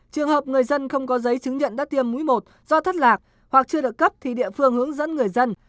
trường hợp người dân không có giấy chứng nhận đã tiêm mũi một do thất lạc hoặc chưa được cấp thì địa phương hướng dẫn người dân